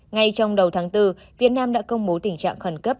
ngay trong đầu tháng bốn việt nam đã công bố tình trạng khẩn cấp